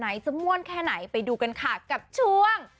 จะม่วนแค่ไหนไปดูกันค่ะกับช่วง